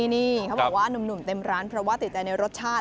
นี่เขาบอกว่านุ่มเต็มร้านเพราะว่าติดใจในรสชาติ